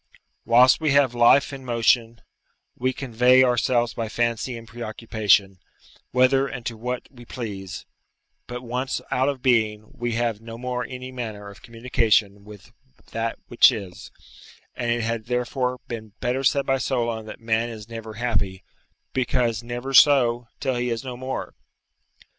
Whilst we have life and motion, we convey ourselves by fancy and preoccupation, whither and to what we please; but once out of being, we have no more any manner of communication with that which is, and it had therefore been better said by Solon that man is never happy, because never so, till he is no more.